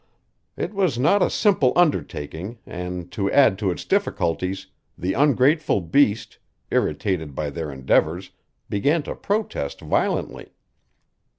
It was not a simple undertaking and to add to its difficulties the ungrateful beast, irritated by their endeavors, began to protest violently.